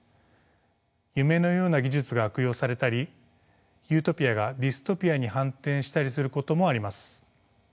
夢のような技術が悪用されたりユートピアがディストピアに反転したりすることもあります。